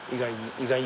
意外に。